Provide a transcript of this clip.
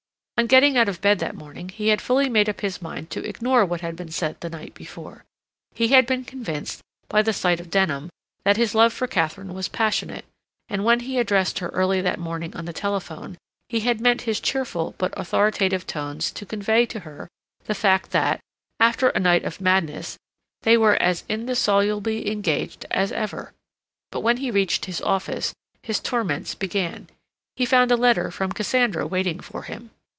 On getting out of bed that morning he had fully made up his mind to ignore what had been said the night before; he had been convinced, by the sight of Denham, that his love for Katharine was passionate, and when he addressed her early that morning on the telephone, he had meant his cheerful but authoritative tones to convey to her the fact that, after a night of madness, they were as indissolubly engaged as ever. But when he reached his office his torments began. He found a letter from Cassandra waiting for him.